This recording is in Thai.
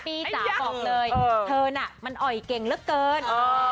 จ๋าบอกเลยเธอน่ะมันอ่อยเก่งเหลือเกิน